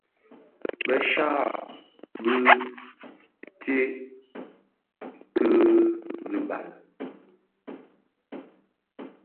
Më shyayaň bi tsèd kid hi bal.